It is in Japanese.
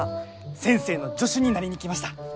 先生の助手になりに来ました。